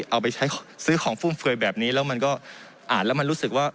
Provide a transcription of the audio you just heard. เอาไปใช้ซื้อของฟุ่มเฟือยแบบนี้แล้วมันก็อ่านแล้วมันรู้สึกว่า